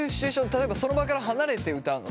例えばその場から離れて歌うの？